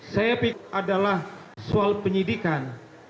saya pikir adalah soal penyidikan